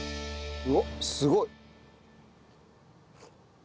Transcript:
うおっすごい。